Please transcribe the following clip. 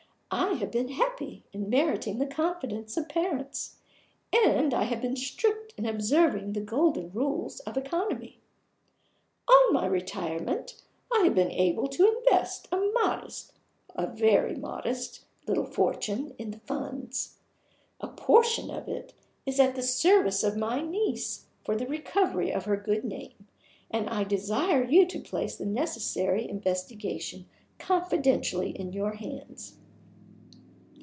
I have been happy in meriting the confidence of parents; and I have been strict in observing the golden rules of economy. On my retirement, I have been able to invest a modest, a very modest, little fortune in the Funds. A portion of it is at the service of my niece for the recovery of her good name; and I desire to place the necessary investigation confidentially in your hands.